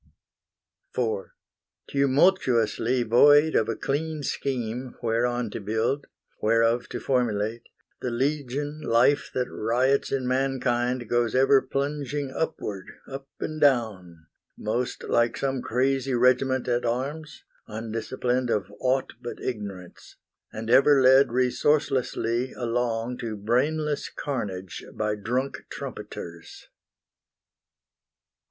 IV Tumultuously void of a clean scheme Whereon to build, whereof to formulate, The legion life that riots in mankind Goes ever plunging upward, up and down, Most like some crazy regiment at arms, Undisciplined of aught but Ignorance, And ever led resourcelessly along To brainless carnage by drunk trumpeters.